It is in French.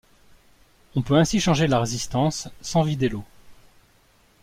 On peut ainsi changer la résistance sans vider l'eau.